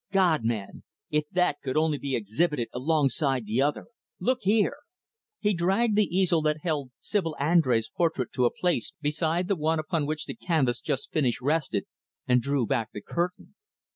God, man! if that could only be exhibited alongside the other! Look here!" He dragged the easel that held Sibyl Andrés' portrait to a place beside the one upon which the canvas just finished rested, and drew back the curtain.